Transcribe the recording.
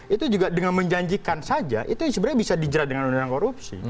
itu juga dengan menjanjikan saja itu sebenarnya bisa dijerat dengan undang undang korupsi